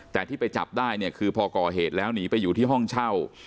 แต่ที่ไปจับได้เนี่ยคือพอก่อเหตุแล้วหนีไปอยู่ที่ห้องเช่า